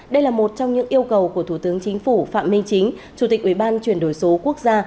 đây là một trong những yêu cầu của thủ tướng chính phủ phạm minh chính chủ tịch ubnd quốc gia